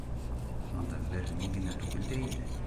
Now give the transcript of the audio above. — Унда бер мин генә түгел дә инде.